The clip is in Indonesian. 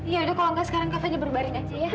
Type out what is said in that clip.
ya udah kalau enggak sekarang kak fadil berbareng aja ya